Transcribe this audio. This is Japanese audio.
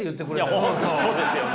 本当そうですよね。